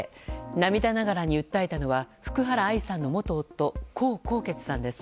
涙ながらに訴えたのは福原愛さんの元夫江宏傑さんです。